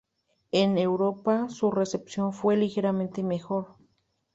En Europa su recepción fue ligeramente mejor.